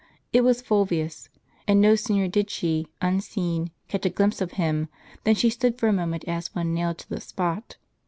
It was Fulvius ; and no sooner did she, unseen, catch a glimpse of him, than she stood for a moment as one nailed to the spot.